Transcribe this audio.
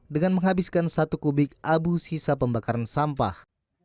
dengan menghabiskan satu kubik abu sisa pembakaran sampah